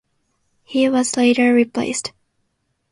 He was later replaced.